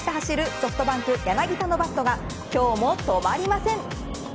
ソフトバンク柳田のバットが今日も止まりません。